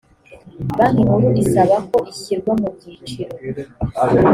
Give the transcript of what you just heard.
banki nkuru isaba ko ishyirwa mu byiciro